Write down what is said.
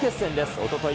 おととい